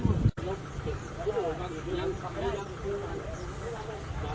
สุดท้ายเมื่อเวลาสุดท้ายเมื่อเวลาสุดท้ายเมื่อเวลาสุดท้าย